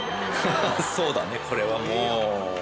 そうだねこれはもう。